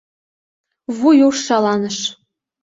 Вуй уш шаланыш.